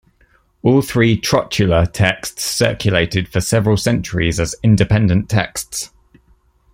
All three "Trotula" texts circulated for several centuries as independent texts.